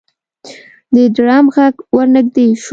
د ډرم غږ ورنږدې شو.